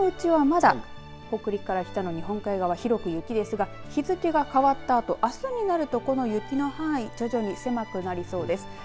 きょうのうちはまだ北陸から北の日本海側、広く雪ですが日付が変わったあと、あすになると雪の範囲が徐々に狭くなりそうです。